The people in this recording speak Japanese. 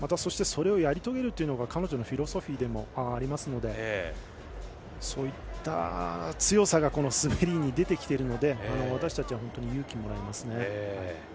それをやり遂げるのが彼女のフィロソフィーでもありますのでそういった強さが滑りに出てきているので私たちは勇気をもらいますね。